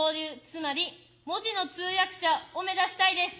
つまり「文字の通訳者」を目指したいです。